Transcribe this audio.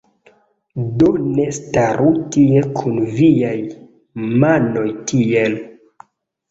Do ne staru tie kun viaj manoj tiel